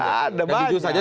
sudah ada banyak